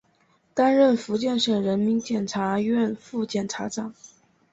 担任福建省人民检察院副检察长。